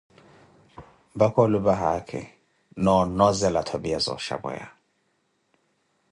mpakha ulupa haakhi, na onozela twapiya za oshapweya.